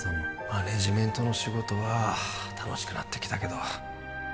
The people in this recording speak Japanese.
マネージメントの仕事は楽しくなってきたけど